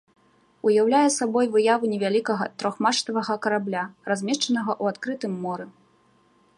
Уяўляе сабой выяву невялікага трохмачтавага карабля, размешчанага ў адкрытым моры.